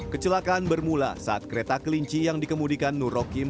kecelakaan bermula saat kereta kelinci yang dikemudikan nur rokim